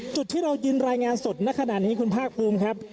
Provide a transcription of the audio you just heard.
จุดที่เรายืนรายงานสดในขณะนี้คุณภาคภูมิครับ